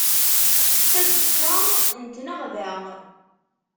Tazeqqa n tneɣda.